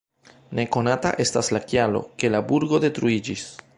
Nekonata estas la kialo, ke la burgo detruiĝis.